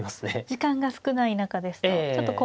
時間が少ない中ですとちょっと怖いですね。